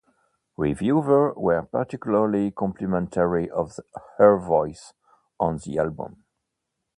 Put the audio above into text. Reviewers were particularly complimentary of her voice on the album.